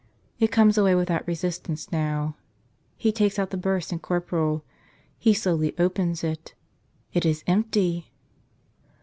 It comes away without resistance now. He takes out the burse and corporal. He slowly opens it. It is empty